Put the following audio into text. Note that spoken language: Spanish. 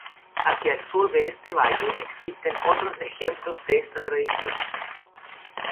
Hacia el sur de este valle existen otros ejemplos de esta tradición.